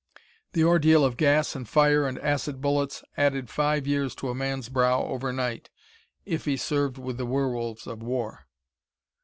The ordeal of gas and fire and acid bullets added five years to a man's brow overnight if he served with the Werewolves of War.